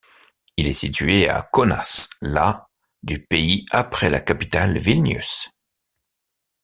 Il est situé à Kaunas, la du pays après la capitale Vilnius.